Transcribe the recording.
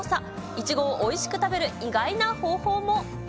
イチゴをおいしく食べる意外な方法も。